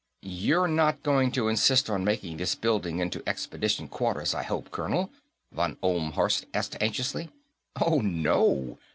"You're not going to insist on making this building into expedition quarters, I hope, colonel?" von Ohlmhorst asked anxiously. "Oh, no!